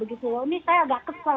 ini saya agak kesel